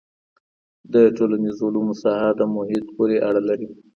د ټولنیزو علومو ساحه د محیط پوري اړه لري.